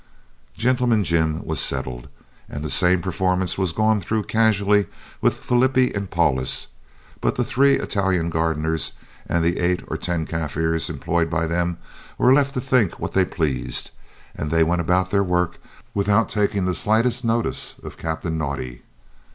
"Gentleman Jim" was settled, and the same performance was gone through casually with Flippie and Paulus; but the three Italian gardeners and the eight or ten Kaffirs employed by them were left to think what they pleased, and they went about their work without taking the slightest notice of Captain Naudé.